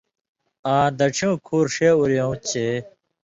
آں دڇھیوں کھُور ݜے اورؤں چے